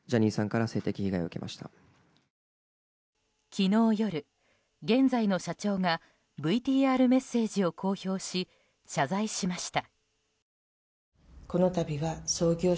昨日夜、現在の社長がＶＴＲメッセージを公表し謝罪しました。